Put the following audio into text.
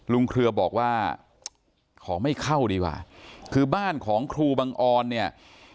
เครือบอกว่าขอไม่เข้าดีกว่าคือบ้านของครูบังออนเนี่ย